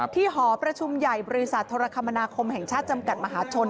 หอประชุมใหญ่บริษัทโทรคมนาคมแห่งชาติจำกัดมหาชน